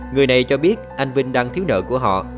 người này cho biết anh vinh đang thiếu nợ của họ